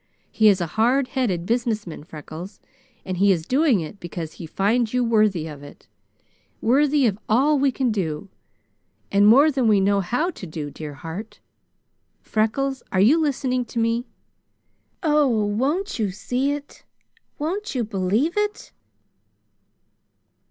He is a hard headed business man, Freckles, and he is doing it because he finds you worthy of it. Worthy of all we all can do and more than we know how to do, dear heart! Freckles, are you listening to me? Oh! won't you see it? Won't you believe it?"